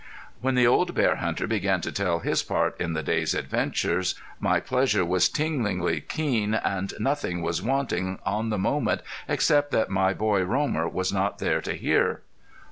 '" When the old bear hunter began to tell his part in the day's adventures my pleasure was tinglingly keen and nothing was wanting on the moment except that my boy Romer was not there to hear.